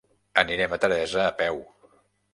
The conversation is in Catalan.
Anirem a Teresa a peu.